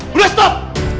ma udah stop